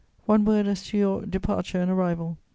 One word as to your departure and arrival.